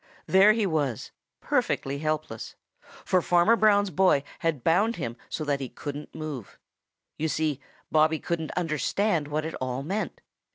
There he was, perfectly helpless, for Farmer Brown's boy had bound him so that he couldn't move. You see, Bobby couldn't understand what it all meant.